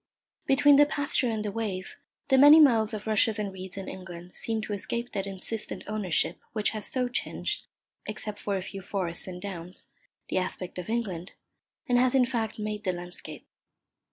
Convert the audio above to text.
Between the pasture and the wave, the many miles of rushes and reeds in England seem to escape that insistent ownership which has so changed (except for a few forests and downs) the aspect of England, and has in fact made the landscape.